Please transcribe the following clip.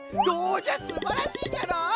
どうじゃすばらしいじゃろ！